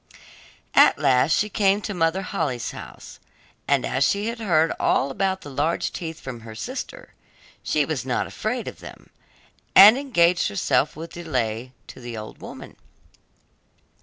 At last she came to Mother Holle's house, and as she had heard all about the large teeth from her sister, she was not afraid of them, and engaged herself without delay to the old woman.